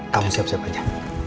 kamu siap siap aja